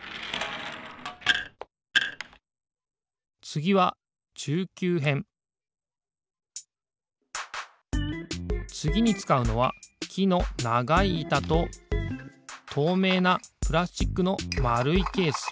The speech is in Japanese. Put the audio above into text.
つぎはつぎにつかうのはきのながいいたととうめいなプラスチックのまるいケース。